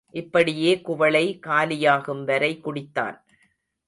இப்படியே குவளை காலியாகும் வரை குடித்தான்.